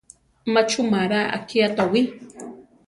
Má chumara akiá towí.